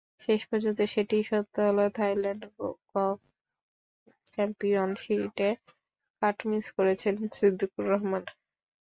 শেষ পর্যন্ত সেটিই সত্যি হলো—থাইল্যান্ড গলফ চ্যাম্পিয়নশিপে কাট মিস করেছেন সিদ্দিকুর রহমান।